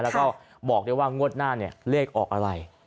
แล้วก็บอกได้ว่างวดหน้าเนี่ยเลขออกอะไร